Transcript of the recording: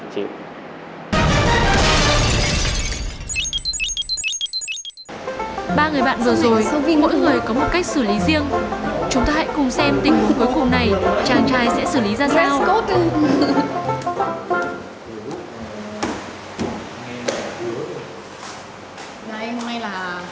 hôm nay là